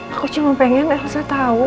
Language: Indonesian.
aku cuma pengen elsa tahu